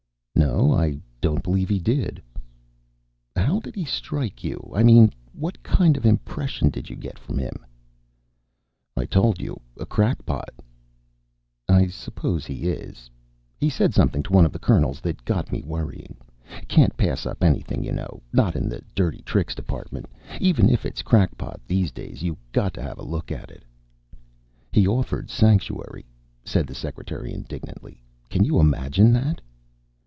"No, I don't believe he did." "How did he strike you? I mean what kind of impression did you get of him?" "I told you. A crackpot." "I suppose he is. He said something to one of the colonels that got me worrying. Can't pass up anything, you know not in the Dirty Tricks Department. Even if it's crackpot, these days you got to have a look at it." "He offered sanctuary," said the secretary indignantly. "Can you imagine that!"